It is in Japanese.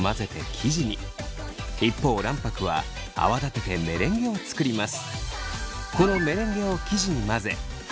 一方卵白は泡立ててメレンゲを作ります。